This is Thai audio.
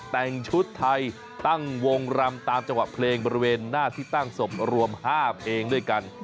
แต่งชุดไทยตั้งวงรำตามจังหวะเพลงบริเวณหน้าที่ตั้งศพรวม๕เพลงด้วยกัน